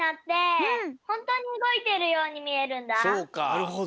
なるほど。